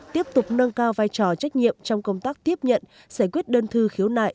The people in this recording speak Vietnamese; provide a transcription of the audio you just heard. tiếp tục nâng cao vai trò trách nhiệm trong công tác tiếp nhận giải quyết đơn thư khiếu nại